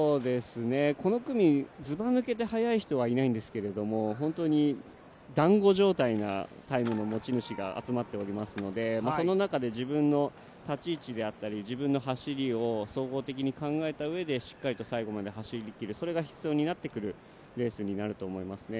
この組、ずば抜けて速い人はいないんですけれども、団子状態なタイムの持ち主が集まっておりますのでその中で自分の立ち位置であったり、自分の走りを総合的に考えたうえでしっかりと最後まで走りきるそれが必要になってくるレースになってくると思いますね。